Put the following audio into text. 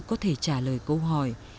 có thể trả lời câu hỏi